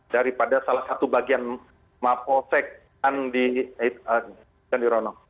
daripada salah satu bagian maposek di candirono